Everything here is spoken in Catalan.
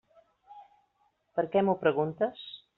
Per què m'ho preguntes?